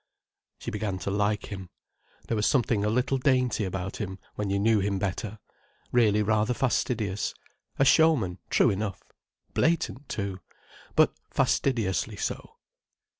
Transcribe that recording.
She began to like him. There was something a little dainty about him, when you knew him better—really rather fastidious. A showman, true enough! Blatant too. But fastidiously so.